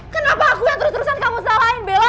kenapa aku yang terus terusan kamu salahin bela